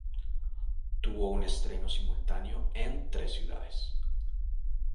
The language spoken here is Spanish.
Tuvo un estreno simultáneo en tres ciudades.